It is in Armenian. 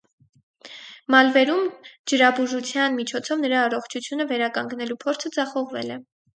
Մալվերում ջրաբուժության միջոցով նրա առողջությունը վերականգնելու փորձը ձախողվել է։